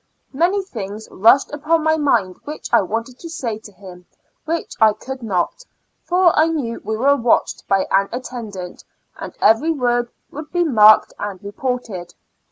Many things rushed upon my mind which I wanted to say to him, which I could not, for I knew we were watched by an attendant, and every word would be marked and reported.